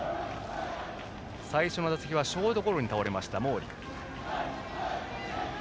最初の打席はショートゴロに倒れました、毛利。